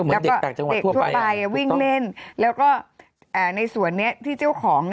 แล้วก็เด็กทั่วไปวิ่งเล่นแล้วก็ในส่วนนี้ที่เจ้าของ